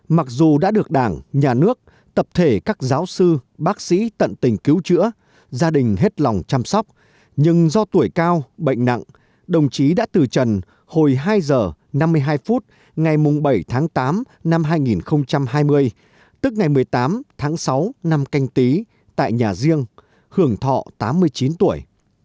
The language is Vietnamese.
mặc dù đã được đảng nhà nước tập thể các giáo sư bác sĩ tận tình cứu chữa gia đình hết lòng chăm sóc nhưng do tuổi cao bệnh nặng đồng chí đã từ trần hồi hai h năm mươi hai phút ngày bảy tháng tám năm hai nghìn hai mươi tức ngày một mươi tám tháng sáu năm canh tí tại nhà riêng hưởng thọ tám mươi chín tuổi